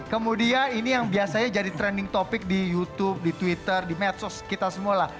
kemudian ini yang biasanya jadi trending topic di youtube di twitter di medsos kita semua lah